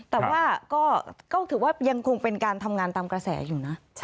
แต่ว่าก็ถือว่ายังคงเป็นการทำงานตามกระแสอยู่นะ